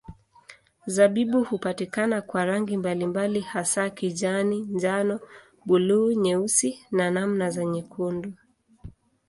Zabibu hupatikana kwa rangi mbalimbali hasa kijani, njano, buluu, nyeusi na namna za nyekundu.